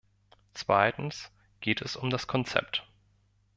Zweitens geht es um das Konzept.